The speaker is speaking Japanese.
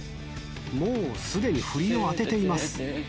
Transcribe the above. もうすでに振りを当てています。